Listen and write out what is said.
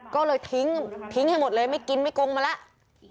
ก็เลยทิ้งทิ้งให้หมดเลยไม่กินไม่กงมาแล้ว